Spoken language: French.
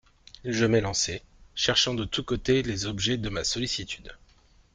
Je m'élançai, cherchant de tous côtés les objets de ma sollicitude.